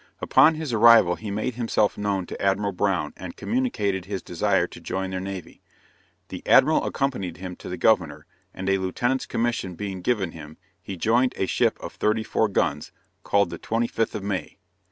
Upon his arrival he made himself known to Admiral Brown, and communicated his desire to join their navy. The admiral accompanied him to the Governor, and a Lieutenant's commission being given him, he joined a ship of 34 guns, called the 'Twenty Fifth of May.'